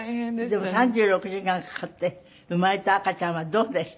でも３６時間かかって生まれた赤ちゃんはどうでした？